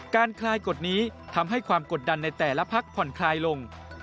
คลายกฎนี้ทำให้ความกดดันในแต่ละพักผ่อนคลายลง